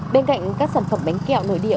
bên cạnh các sản phẩm bánh kẹo nội địa